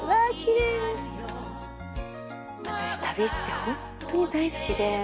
私旅ってホントに大好きで。